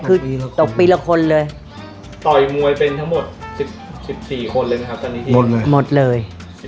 คุณพ่อมีลูกทั้งหมด๑๐ปี